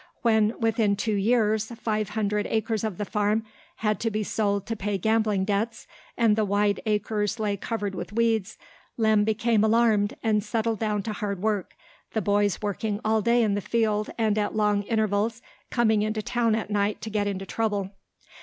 When, within two years, five hundred acres of the farm had to be sold to pay gambling debts, and the wide acres lay covered with weeds, Lem became alarmed, and settled down to hard work, the boys working all day in the field and at long intervals coming into town at night to get into trouble.